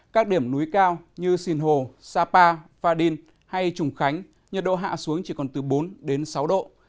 các điểm núi cao như sinh hồ sapa fadin hay trùng khánh nhiệt độ hạ xuống chỉ còn từ bốn đến sáu độ